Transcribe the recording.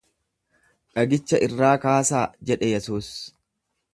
Dhagicha irraa kaasaa jedhe Yesuus.